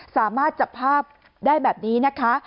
สามารถจับภาพได้แบบนี้นะคะ